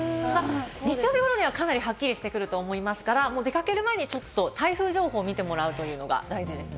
日曜日頃にはかなりはっきりしてくると思いますから、出掛ける前に台風情報を見てもらうというのが大事ですね。